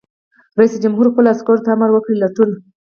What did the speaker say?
رئیس جمهور خپلو عسکرو ته امر وکړ؛ لټون!